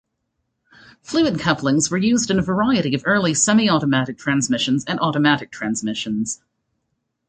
Fluid couplings were used in a variety of early semi-automatic transmissions and automatic transmissions.